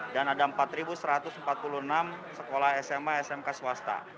dan ada empat satu ratus empat puluh enam sekolah sma smk swasta